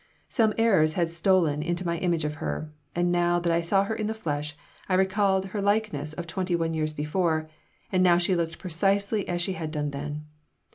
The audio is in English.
Some errors had stolen into my image of her, and now, that I saw her in the flesh, I recalled her likeness of twenty one years before, and she now looked precisely as she had done then.